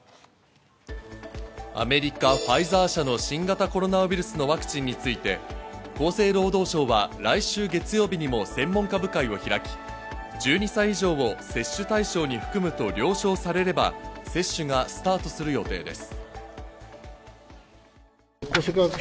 アメリカファイザー社の新型コロナウイルスのワクチンについて厚生労働省は来週月曜日にも専門家部会を開き、１２歳以上を接種対象に含むと了承されれば接種がスタートする予定です。